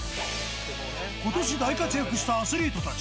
ことし大活躍したアスリートたち。